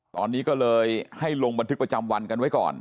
ตอนนี้ก็เลยให้ลงบันทึกประจำวันกันไว้ก่อน